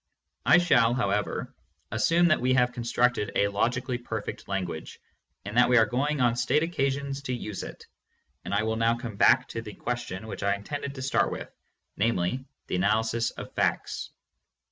I shall, how ever, assume that we have constructed a logically perfect language, and that we are going on state occasions to use it, and I will now come back to the question which I in tended to start with, namely, the analysis of facts.